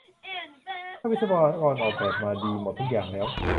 ถ้าวิศวกรออกแบบมาดีหมดทุกอย่างแล้ว